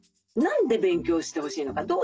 何で勉強をしてほしいのか。